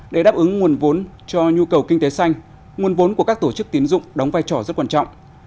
để đáp ứng nguồn vốn cho nhu cầu kinh tế xanh nguồn vốn của các tổ chức tiến dụng đóng vai trò rất quan trọng